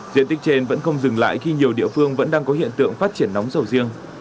diện tích trên vẫn không dừng lại khi nhiều địa phương vẫn đang có hiện tượng phát triển nóng sầu riêng